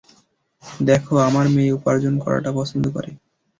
দেখো, আমার মেয়ে উপার্জন করাটা পছন্দ করে।